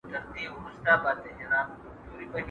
خواره وږې، څه به مومې د سوى د سږې.